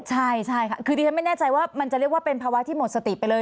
ใช่ค่ะคือดิฉันไม่แน่ใจว่ามันจะเรียกว่าเป็นภาวะที่หมดสติไปเลย